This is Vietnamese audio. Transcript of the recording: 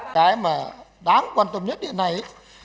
cái mà đáng quan tâm nhất đến này